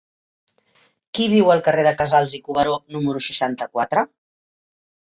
Qui viu al carrer de Casals i Cuberó número seixanta-quatre?